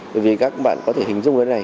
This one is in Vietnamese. bởi vì các bạn có thể hình dung như thế này